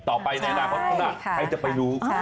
ต่อไปในอนาคตข้างหน้าใครจะไปรู้